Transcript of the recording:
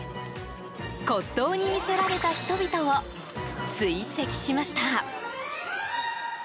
骨董に魅せられた人々を追跡しました。